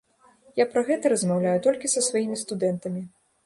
Я пра гэта размаўляю толькі са сваімі студэнтамі.